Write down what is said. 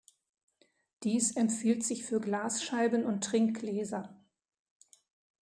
Dies empfiehlt sich für Glasscheiben und Trinkgläser.